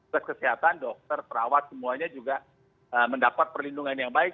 tes kesehatan dokter perawat semuanya juga mendapat perlindungan yang baik